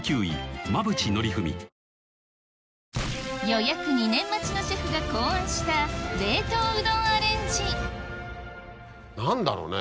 予約２年待ちのシェフが考案した冷凍うどんアレンジ何だろうね？